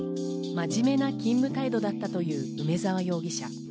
真面目な勤務態度だったという梅沢容疑者。